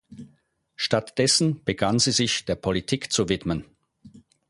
Stattdessen begann sie sich der Politik zu widmen.